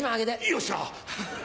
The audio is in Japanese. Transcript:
よっしゃ！